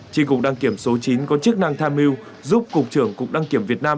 tri cục đăng kiểm số chín có chức năng tham mưu giúp cục trưởng cục đăng kiểm việt nam